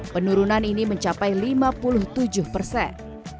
penurunan ini mencapai lima puluh tujuh persen